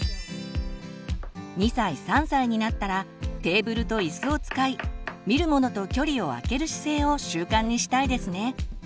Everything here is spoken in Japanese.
２歳３歳になったらテーブルと椅子を使い見るものと距離をあける姿勢を習慣にしたいですね。